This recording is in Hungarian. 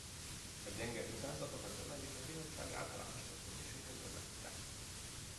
A gyenge utánzatok a tömeg és a finomság általános csökkenéséhez vezettek.